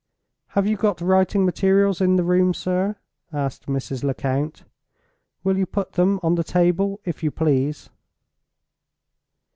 "Have you got writing materials in the room, sir?" asked Mrs. Lecount. "Will you put them on the table, if you please?"